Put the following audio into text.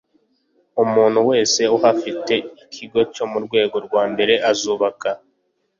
umuntu wese uhafite ikigo cyo mu rwego rwambere azubaka